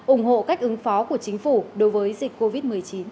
ủng hộ cách ứng phó của chính phủ đối với dịch covid một mươi chín